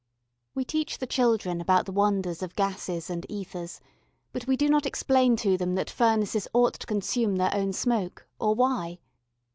We teach the children about the wonders of gases and ethers, but we do not explain to them that furnaces ought to consume their own smoke, or why.